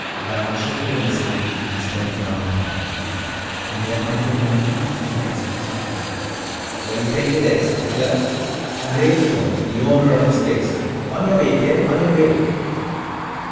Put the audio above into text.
Val shifted in the saddle and stared down at him. "And what might your name be?" he asked softly. "What d'yuh think it is? Hitler? I'm Ralestone, the owner of this place. On your way, kid, on your way."